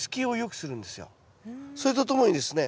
それとともにですね